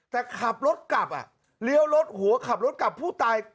แต่ขับรถกลับอ่ะเลี้ยวรถหัวขับรถกลับผู้ตาย